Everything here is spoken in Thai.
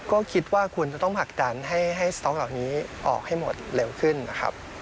ก็คิดว่าคุณจะต้องผลักดันให้สต๊อกเหล่านี้ออกให้หมดเร็วขึ้นนะครับ